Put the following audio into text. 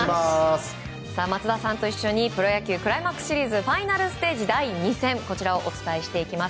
松田さんと一緒にプロ野球クライマックスシリーズファイナルステージ第２戦をお伝えしていきます。